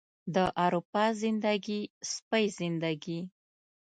د اروپا زندګي، سپۍ زندګي